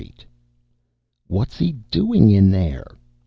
net _WHAT'S HE DOING IN THERE?